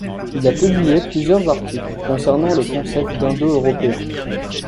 Il a publié plusieurs articles concernant le concept d'Indo-Européens.